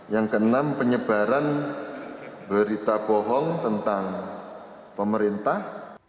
yang keenam penyebaran berita bohong tentang pemerintah